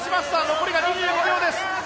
残りが２５秒です。